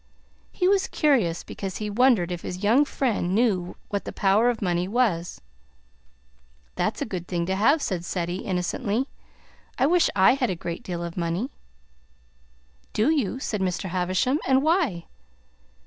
He was curious because he wondered if his young friend knew what the power of money was. "That's a good thing to have," said Ceddie innocently. "I wish I had a great deal of money." "Do you?" said Mr. Havisham. "And why?"